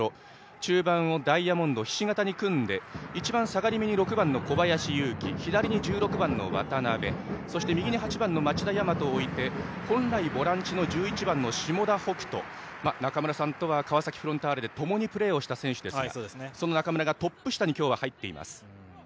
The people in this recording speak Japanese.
中盤をダイヤモンドひし形に組んで一番下がるところに小林裕紀左に１６番の渡邉そして右に８番町田也真人を置いて本来ボランチの１１番の下田北斗中村さんとは川崎フロンターレでともにプレーをした選手ですがその下田が今日はトップ下に入っています。